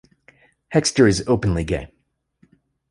Hexter is openly gay.